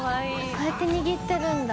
こうやって握ってるんだ。